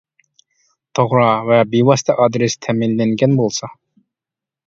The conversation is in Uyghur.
توغرا ۋە بىۋاسىتە ئادرېس تەمىنلەنگەن بولسا.